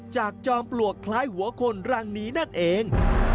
จอมปลวกคล้ายหัวคนรังนี้นั่นเอง